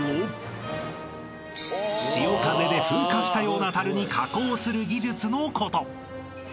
［潮風で風化したようなたるに加工する技術のこと］